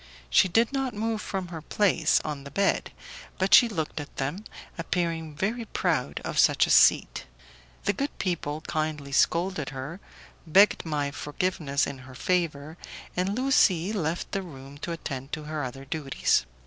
She did not move from her place on the bed, but she looked at them, appearing very proud of such a seat. The good people kindly scolded her, begged my forgiveness in her favour, and Lucie left the room to attend to her other duties.